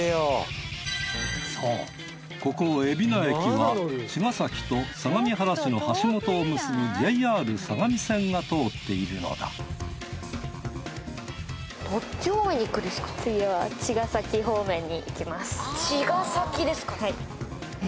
そうここ海老名駅は茅ヶ崎と相模原市の橋本を結ぶＪＲ相模線が通っているのだ茅ヶ崎ですか。